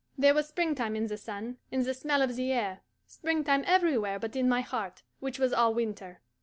There was springtime in the sun, in the smell of the air; springtime everywhere but in my heart, which was all winter.